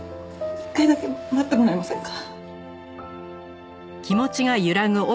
一回だけ待ってもらえませんか？